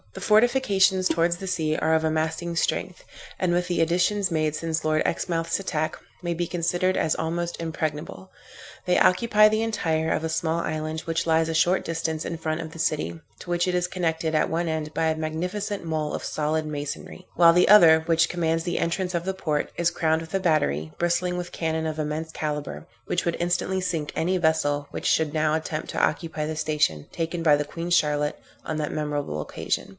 The fortifications towards the sea are of amasing strength, and with the additions made since Lord Exmouth's attack, may be considered as almost impregnable. They occupy the entire of a small island, which lies a short distance in front of the city, to which it is connected at one end by a magnificent mole of solid masonry, while the other which commands the entrance of the port, is crowned with a battery, bristling with cannon of immense calibre, which would instantly sink any vessel which should now attempt to occupy the station taken by the Queen Charlotte on that memorable occasion.